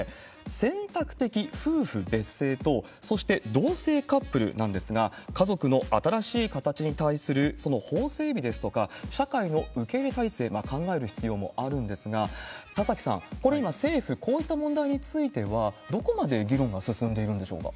選択的夫婦別姓と、そして同性カップルなんですが、家族の新しい形に対する、その法整備ですとか、社会の受け入れ体制、考える必要もあるんですが、田崎さん、これ、今、政府、こういった問題についてはどこまで議論が進んでいるんでしょうか